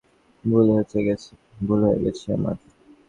ভুল হয়েছে গেছে আমার।